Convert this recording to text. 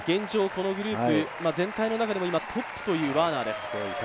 このグループ、全体の中でもトップというワーナーです。